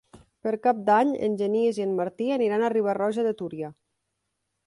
Per Cap d'Any en Genís i en Martí aniran a Riba-roja de Túria.